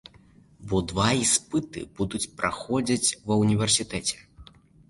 Бо два іспыты будуць праходзіць ва ўніверсітэце.